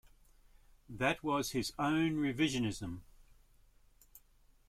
That was his own revisionism.